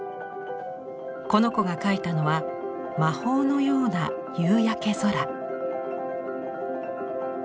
この子が描いたのは魔法のような夕焼け空。